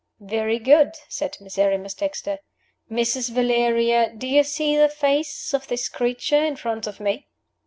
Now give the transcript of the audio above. "Very good," said Miserrimus Dexter "Mrs. Valeria, do you see the face of this creature in front of me?"